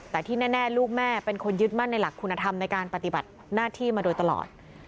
แต่ที่แน่ลูกแม่เป็นคนยึดมั่นในหลักคุณธรรมในการปฏิบัติหน้าที่มาโดยตลอด